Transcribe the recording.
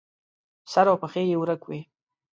سر او پښې یې ورک وي.